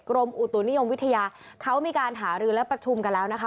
กรมอุตุนิยมวิทยาเขามีการหารือและประชุมกันแล้วนะคะ